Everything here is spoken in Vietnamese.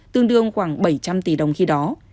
tương đương khoảng bảy trăm linh tỷ đồng khi đó